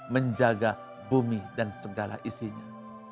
menjaga bumi dan segala isinya